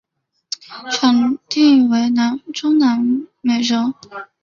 产地为中南美洲。